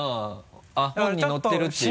あっ本に載ってるっていう。